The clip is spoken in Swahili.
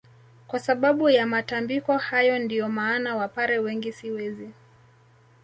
Kwa sababu ya matambiko hayo ndio maana wapare wengi si wezi